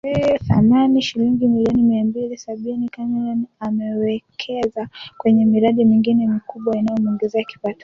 thamani shilingi milioni mia mbili sabini Chameleone amewekeza kwenye miradi mingine mikubwa inayomuongezea kipato